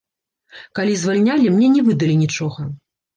Калі звальнялі, мне не выдалі нічога.